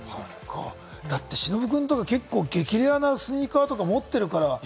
だって忍君とか、結構、激レアなスニーカーとか持ってるから。